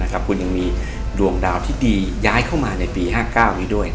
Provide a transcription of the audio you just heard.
คุณยังมีดวงดาวที่ดีย้ายเข้ามาในปี๕๙นี้ด้วย